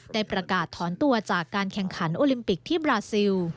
ได้ประกาศถอนตัวจากการแข่งขันโอลิมปิกที่บราซิล